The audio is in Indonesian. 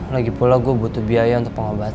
lagi pula gue butuh biaya untuk pengobatan